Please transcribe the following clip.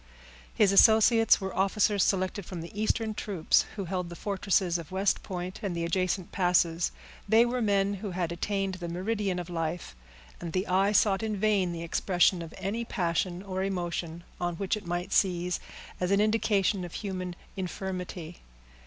His associates were officers selected from the eastern troops, who held the fortresses of West Point and the adjacent passes; they were men who had attained the meridian of life, and the eye sought in vain the expression of any passion or emotion on which it might seize as an indication of human infirmity.